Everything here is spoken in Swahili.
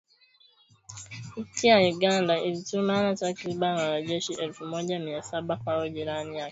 Nchi ya Uganda ilituma takribani wanajeshi elfu moja mia saba kwa jirani yake wa Afrika ya kati hapo mwezi Disemba ili kusaidia kupambana na kundi la waasi.